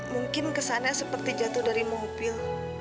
mungkin kesannya seperti jatuh dari mobil